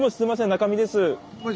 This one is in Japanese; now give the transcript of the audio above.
中見です。